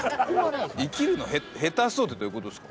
生きるの下手そうってどういう事ですか？